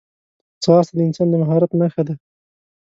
ځغاسته د انسان د مهارت نښه ده